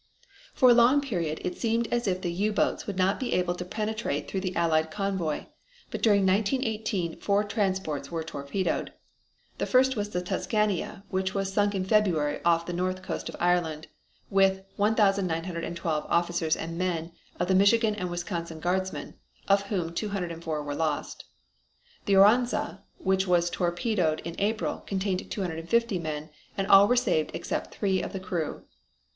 For a long period it seemed as if the U boats would not be able to penetrate through the Allied convoy, but during 1918 four transports were torpedoed. The first was the Tuscania which was sunk in February off the north coast of Ireland, with 1,912 officers and men of the Michigan and Wisconsin guardsmen, of whom 204 were lost. The Oronsa, which was torpedoed in April, contained 250 men and all were saved except three of the crew.